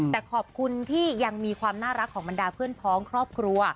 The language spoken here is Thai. แต่ขอบคุณที่ยังมีความน่ารักของบรรดาเพื่อนพ้องครอบครัว